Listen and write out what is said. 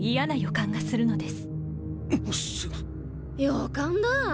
予感だぁ？